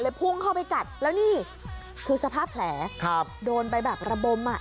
เลยพุ่งเข้าไปกัดแล้วนี่คือสภาพแผลครับ